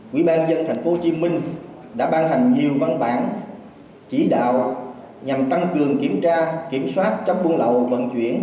quỹ ban dân thành phố hồ chí minh đã ban hành nhiều văn bản chỉ đạo nhằm tăng cường kiểm tra kiểm soát trong buôn lậu vận chuyển